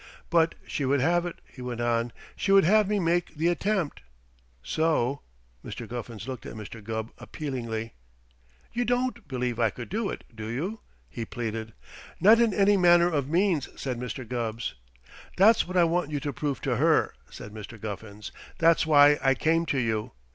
"But she would have it," he went on. "She would have me make the attempt. So " Mr. Guffins looked at Mr. Gubb appealingly. "You don't believe I could do it, do you?" he pleaded. "Not in any manner of means," said Mr. Gubb. "That's what I want you to prove to her," said Mr. Guffins. "That's why I came to you.